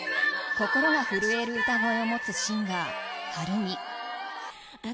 心が震える歌声を持つシンガー、遥海。